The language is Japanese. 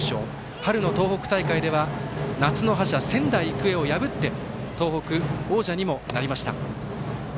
春の東北大会では夏の覇者、仙台育英を破って東北王者にもなりました。